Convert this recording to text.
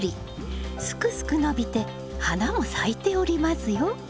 すくすく伸びて花も咲いておりますよ。